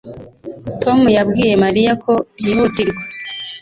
Tom yabwiye Mariya ko byihutirwa